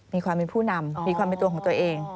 มีความเป็นผู้นำมีความเป็นตัวของตัวเอง